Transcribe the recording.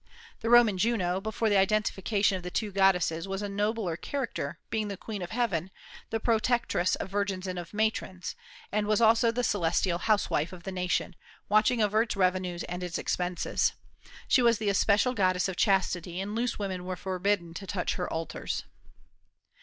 The Roman Juno, before the identification of the two goddesses, was a nobler character, being the queen of heaven, the protectress of virgins and of matrons, and was also the celestial housewife of the nation, watching over its revenues and its expenses. She was the especial goddess of chastity, and loose women were forbidden to touch her altars.